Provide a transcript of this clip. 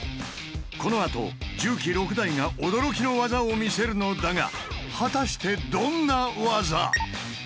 このあと重機６台が驚きの技を見せるのだが果たしてどんな技？